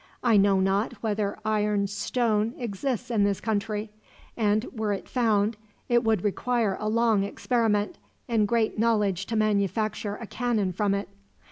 I know not whether iron stone exists in this country, and were it found it would require a long experiment and great knowledge to manufacture a cannon from it.